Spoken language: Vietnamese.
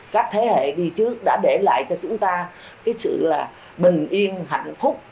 các thế hệ đi trước đã để lại cho chúng ta cái sự bình yên hạnh phúc